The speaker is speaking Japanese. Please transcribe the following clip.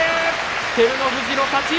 照ノ富士の勝ち。